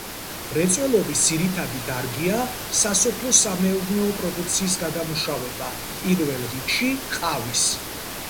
მრეწველობის ძირითადი დარგია სასოფლო-სამეურნეო პროდუქციის გადამუშავება, პირველ რიგში ყავის.